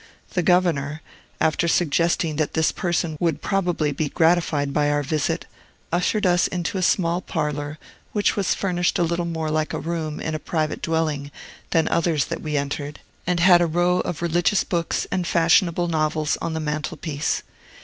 The governor, after suggesting that this person would probably be gratified by our visit, ushered us into a small parlor, which was furnished a little more like a room in a private dwelling than others that we entered, and had a row of religious books and fashionable novels on the mantel piece.